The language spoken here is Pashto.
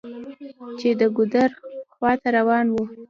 چې د ګودر خواته روان و.